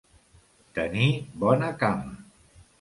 Tenir bona cama.